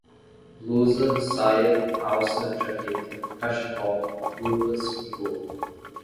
Blusa, saia, calça, jaqueta, cachecol, luvas e gorro